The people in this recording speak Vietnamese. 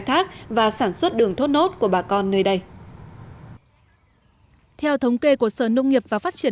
thác và sản xuất đường thốt nốt của bà con nơi đây theo thống kê của sở nông nghiệp và phát triển